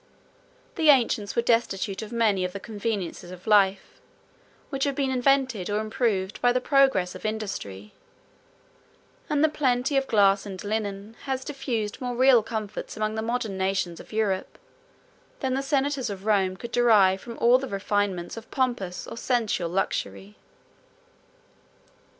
The ancients were destitute of many of the conveniences of life, which have been invented or improved by the progress of industry; and the plenty of glass and linen has diffused more real comforts among the modern nations of Europe, than the senators of Rome could derive from all the refinements of pompous or sensual luxury.